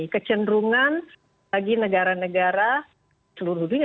kecenderungan bagi negara negara seluruh dunia